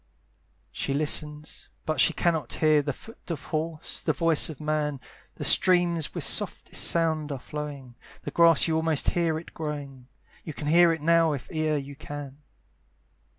She listens, but she cannot hear The foot of horse, the voice of man; The streams with softest sound are flowing, The grass you almost hear it growing, You hear it now if e'er you can.